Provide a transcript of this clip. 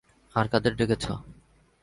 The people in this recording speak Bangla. আর কাদের ডেকেছো?